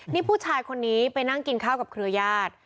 นี่ผู้ชายคนนี้ไปนั่งกินข้าวกับเครือญาติ